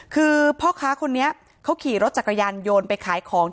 คือพ่อคะโยนไปขายเกี่ยวสบายเป็นของหอม